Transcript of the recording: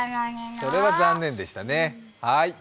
それは残念でしたね。